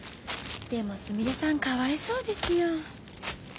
でもすみれさんかわいそうですよ。